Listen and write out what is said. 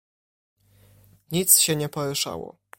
"Nic się nie poruszało."